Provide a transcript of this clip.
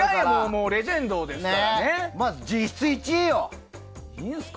もうレジェンドですよね。